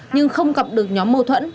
nhưng không gặp được nhóm mâu thuẫn